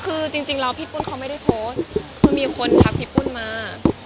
คือจริงแล้วพี่ปุ้นเขาไม่ได้โพสต์คือมีคนทักพี่ปุ้นมา